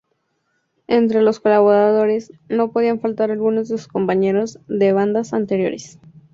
Entre los colaboradores no podían faltar algunos de sus compañeros de bandas anteriores.